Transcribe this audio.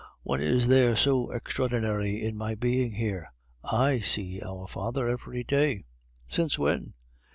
"What is there so extraordinary in my being here? I see our father every day." "Since when?"